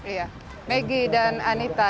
ya maggie dan anita